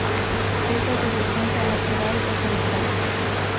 Juega de defensa lateral o central.